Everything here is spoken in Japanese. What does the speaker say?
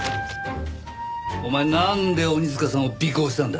お前なんで鬼塚さんを尾行したんだ？